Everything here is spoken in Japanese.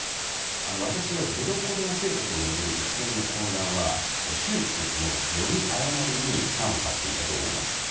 私は、ゼロコロナ政策を巡る一連の混乱は習主席の読み誤りに端を発していたと思います。